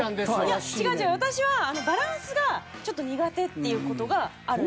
いや違う違う私はバランスがちょっと苦手っていう事があるんです。